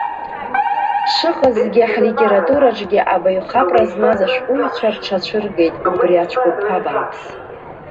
Шыҟазгьы, ҳлитератураҿы абаҩхатәра змаз ашәҟәыҩҩцәа рҽацәыргеит убри ацәқәырԥа бааԥс.